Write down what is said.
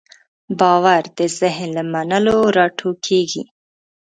باور د ذهن له منلو راټوکېږي.